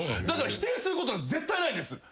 だから否定すること絶対ないです！